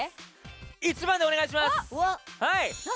１番で、お願いします！